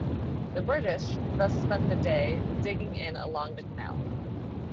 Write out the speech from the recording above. The British thus spent the day digging in along the canal.